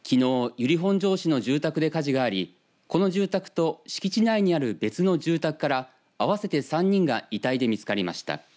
由利本荘市の住宅で火事があり、この住宅と敷地内にある別の住宅から合わせて３人が遺体で見つかりました。